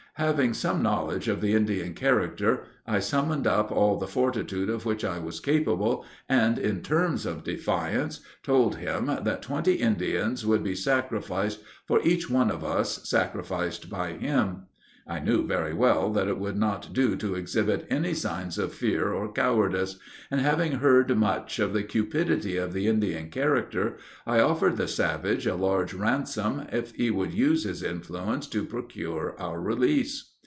Having some knowledge of the Indian character, I summoned up all the fortitude of which I was capable, and, in terms of defiance, told him, that twenty Indians would be sacrificed for each one of us sacrificed by him. I knew very well that it would not do to exhibit any signs of fear or cowardice; and, having heard much of the cupidity of the Indian character, I offered the savage a large ransom if he would use his influence to procure our release.